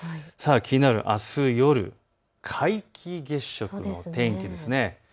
気になるあす夜、皆既月食の天気です。